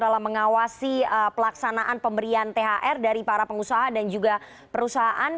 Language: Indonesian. dalam mengawasi pelaksanaan pemberian thr dari para pengusaha dan juga perusahaan